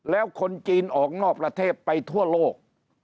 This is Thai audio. แล้วคนจีนออกนอกประเทศไปทั่วโลก